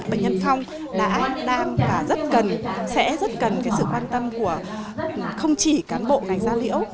bệnh nhân phong đã đang và rất cần sẽ rất cần sự quan tâm của không chỉ cán bộ ngành gia liễu